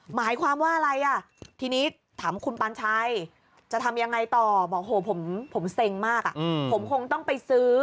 หมายความว่าอะไร